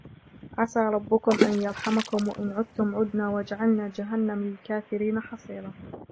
عسى ربكم أن يرحمكم وإن عدتم عدنا وجعلنا جهنم للكافرين حصيرا